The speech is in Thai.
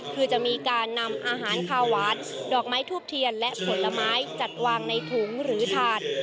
คือจะมีการนำอาหารคาหวานดอกไม้ทูบเทียนและผลไม้จัดวางในถุงหรือถาด